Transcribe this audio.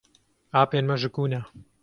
Apên me ji ku ne?